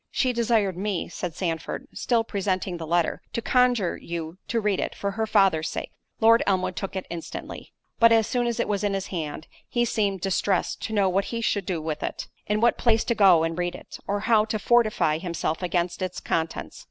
"She desired me," said Sandford, (still presenting the letter) "to conjure you to read it, for her father's sake." Lord Elmwood took it instantly. But as soon as it was in his hand, he seemed distressed to know what he should do with it—in what place to go and read it—or how to fortify himself against its contents.